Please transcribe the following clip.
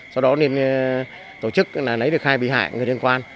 sau đó nên tổ chức lấy được hai bị hại người liên quan